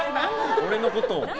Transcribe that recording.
俺のことを？